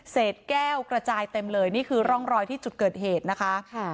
แก้วกระจายเต็มเลยนี่คือร่องรอยที่จุดเกิดเหตุนะคะ